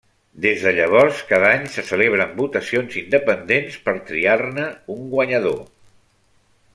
Des de llavors, cada any se celebren votacions independents per triar-ne un guanyador.